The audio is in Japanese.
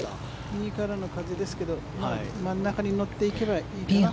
右からの風ですが真ん中に乗っていけばいいかな。